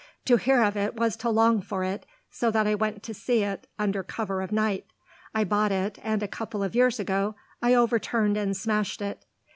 To hear of it was to long for it, so that I went to see it under cover of night. I bought it and a couple of years ago I overturned and smashed it.